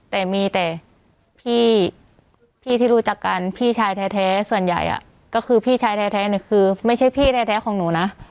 แต่มีแต่พี่ที่รู้จักกันพี่ชายแท้ส่วนใหญ่ก็คือพี่ชายแท้เนี่ยคือไม่ใช่พี่แท้ของหนูนะ